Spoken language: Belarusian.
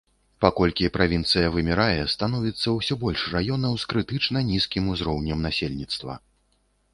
Паколькі правінцыя вымірае, становіцца ўсё больш раёнаў з крытычна нізкім узроўнем насельніцтва.